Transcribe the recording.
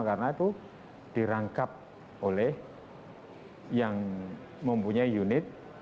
karena itu dirangkap oleh yang mempunyai unit